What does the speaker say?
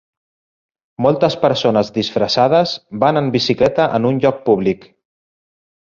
Moltes persones disfressades van en bicicleta en un lloc públic